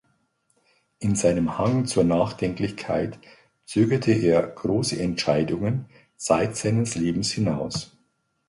In seinem Hang zur Nachdenklichkeit zögerte er große Entscheidungen zeit seines Lebens hinaus.